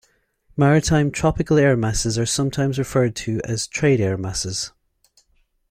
Maritime tropical air masses are sometimes referred to as trade air masses.